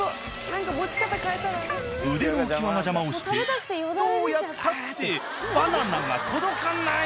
腕の浮輪が邪魔をしてどうやったってバナナが届かない！